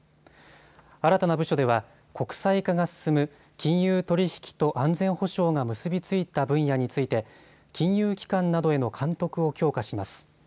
新たな部署では国際化が進む金融取り引きと安全保障が結び付いた分野について金融機関などへの監督を強化します。